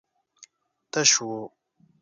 تش و.